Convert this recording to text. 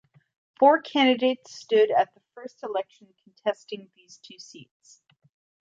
Four candidates stood at the first election contesting these two seats.